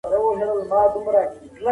تاسو به کیبورډ ته نه ګورئ.